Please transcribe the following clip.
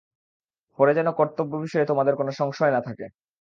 পরে যেন কর্তব্য বিষয়ে তোমাদের কোন সংশয় না থাকে।